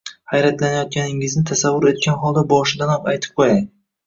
Hayratlanayotganingizni tasavvur etgan holda boshidanoq aytib qo`yay